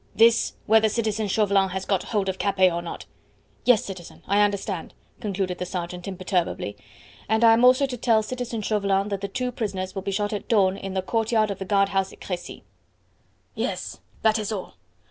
"This, whether citizen Chauvelin has got hold of Capet or not." "Yes, citizen, I understand," concluded the sergeant imperturbably; "and I am also to tell citizen Chauvelin that the two prisoners will be shot at dawn in the courtyard of the guard house at Crecy." "Yes. That is all.